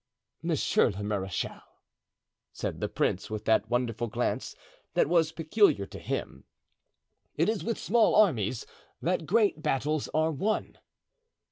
"Monsieur le marechal," said the prince, with that wonderful glance that was peculiar to him, "it is with small armies that great battles are won."